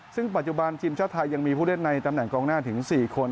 ซึ่งปัจจุบันทีมชาติไทยยังมีผู้เล่นในตำแหน่งกองหน้าถึง๔คน